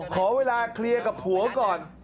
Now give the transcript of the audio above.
ขอเวลาเคลียร์กับผัวก่อน